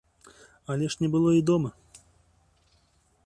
Але ж не было і дома.